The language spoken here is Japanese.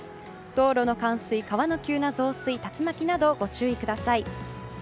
道路の冠水、川の急な増水竜巻などご注意ください。